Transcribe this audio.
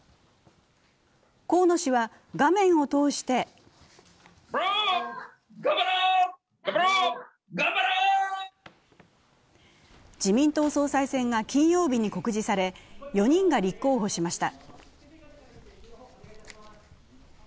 河野氏は画面を通して自民党総裁選が金曜日に告示され、４人が立候補しました。